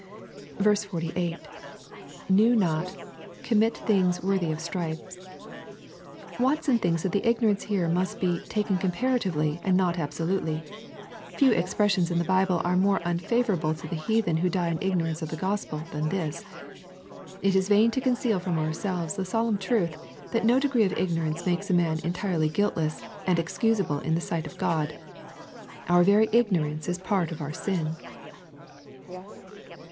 48. — [Knew not...commit things worthy of stripes,] Watson thinks that the ignorance here must be " taken comparatively, and not absolutely." Few expressions in the Bible are more unfavor able to the heathen who die in ignorance of the Gospel than this. It is vain to conceal from ourselves the solemn truth, that no degree of ignorance makes a man entirely guiltless and ex cusable in the sight of God. Our very ignorance is part of our sin.